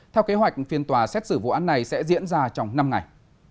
theo kế hoạch phiên tòa xét xử vụ án này sẽ diễn ra trong năm ngày